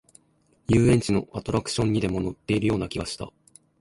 遊園地のアトラクションにでも乗っているような気がした